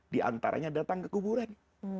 di antaranya datang kekuburan